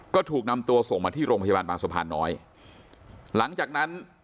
ก็ถูกนำตัวส่งมาที่โรงพยาบาลบางสะพานน้อยหลังจากนั้น